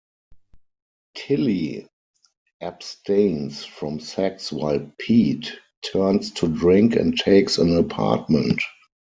Tillie abstains from sex while Pete turns to drink and takes an apartment.